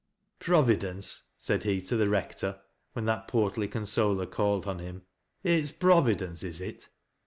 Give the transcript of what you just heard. " Providence ?" said he to the Hector, when that portly consoler called on him. " It's Providence, is it